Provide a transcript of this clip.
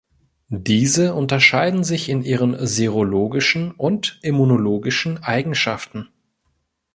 Diese unterscheiden sich in ihren serologischen und immunologischen Eigenschaften.